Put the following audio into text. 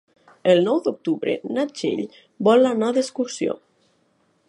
El nou d'octubre na Txell vol anar d'excursió.